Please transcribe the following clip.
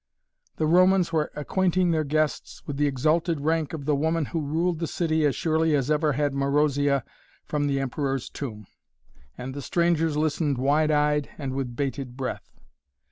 The Romans were acquainting their guests with the exalted rank of the woman who ruled the city as surely as ever had Marozia from the Emperor's Tomb. And the strangers listened wide eyed and with bated breath.